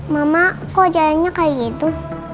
mama kok jayangnya kayak gitu